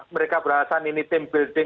mereka beralasan ini tim building